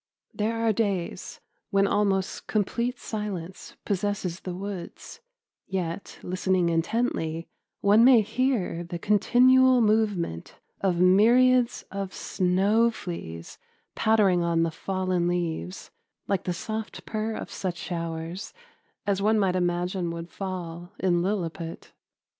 There are days when almost complete silence possesses the woods, yet listening intently one may hear the continual movement of myriads of snow fleas pattering on the fallen leaves like the soft purr of such showers as one might imagine would fall in Lilliput.